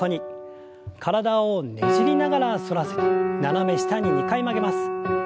体をねじりながら反らせて斜め下に２回曲げます。